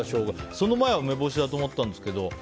その前は梅干しだと思ったんですけど。